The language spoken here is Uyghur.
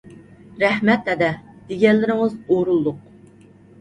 رەھمەت ھەدە! دېگەنلىرىڭىز ئورۇنلۇق.